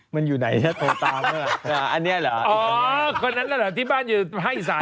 มันอยู่ไหนนะโทรตามมา